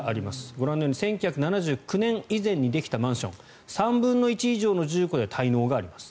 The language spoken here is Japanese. ご覧のように１９７９年以前にできたマンション３分の１以上の住戸で滞納があります。